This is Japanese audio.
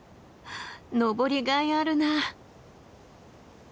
登りがいあるなあ。